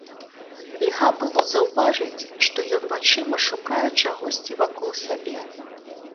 Льга было заўважыць, што ён вачыма шукае чагосьці навокал сябе.